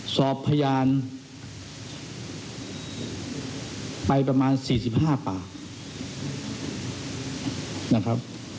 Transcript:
สอบพยานไปประมาณ๔๕ปากนะครับ